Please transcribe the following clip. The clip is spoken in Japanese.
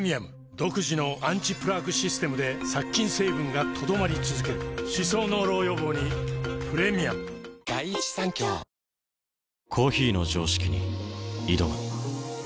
独自のアンチプラークシステムで殺菌成分が留まり続ける歯槽膿漏予防にプレミアムいつものおいしさで内臓脂肪対策。